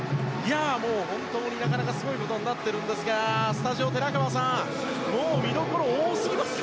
もう本当になかなかすごいことになっているんですが、寺川さんもう見どころ多すぎますね。